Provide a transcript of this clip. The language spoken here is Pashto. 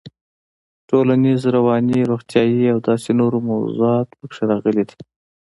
ټولنيز, رواني, روغتيايي او داسې نورو موضوعات پکې راغلي دي.